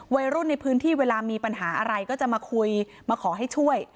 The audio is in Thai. วัยรุ่นในพื้นที่เวลามีปัญหาอะไรก็จะมาคุยมาขอให้ช่วย